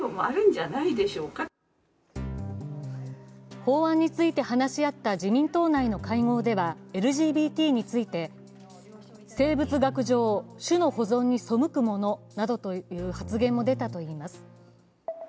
法案について話し合った自民党内の会合では、生物学上、種の保存に背くものなどという発言も出たといいます。